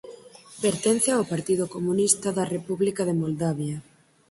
Pertence ao Partido Comunista da República de Moldavia.